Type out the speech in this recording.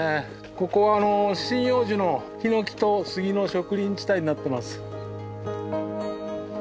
ここは針葉樹のヒノキとスギの植林地帯になってます。